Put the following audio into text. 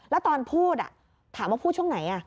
แล้วตอนพูดถามว่าพูดช่วงไหน